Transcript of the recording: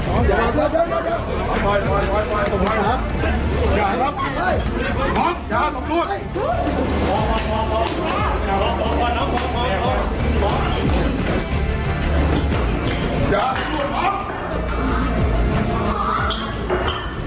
อย่าล้อมอีกเลยพร้อมล้อมตรงนู้น